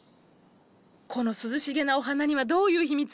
この涼しげなお花にはどういう秘密が？